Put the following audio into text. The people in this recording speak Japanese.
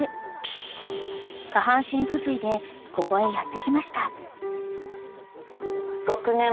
［下半身不随でここへやって来ました］